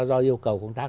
do yêu cầu công tác